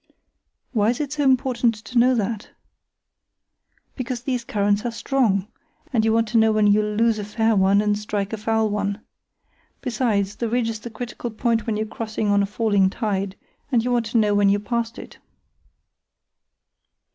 "Why is it so important to know that?" "Because these currents are strong, and you want to know when you'll lose a fair one and strike a foul one. Besides, the ridge is the critical point when you're crossing on a falling tide, and you want to know when you're past it."